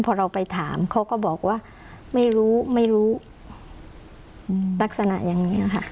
พอเราไปถามเขาก็บอกว่าไม่รู้ไม่รู้ลักษณะอย่างนี้ค่ะ